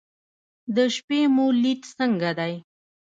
د شپې مو لید څنګه دی؟